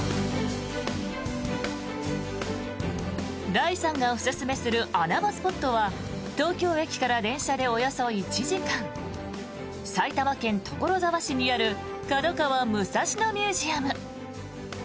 ライさんがおすすめする穴場スポットは東京駅から電車でおよそ１時間埼玉県所沢市にある角川武蔵野ミュージアム。